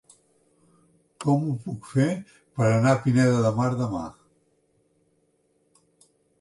Com ho puc fer per anar a Pineda de Mar demà?